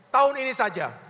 tahun ini saja